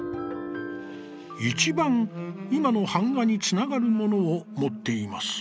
一番今の板画につながるものをもっています」。